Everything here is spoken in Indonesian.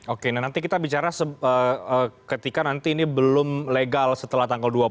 oke nah nanti kita bicara ketika nanti ini belum legal setelah tanggal dua puluh